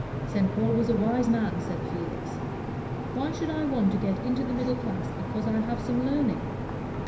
"St. Paul was a wise man," said Felix. "Why should I want to get into the middle class because I have some learning?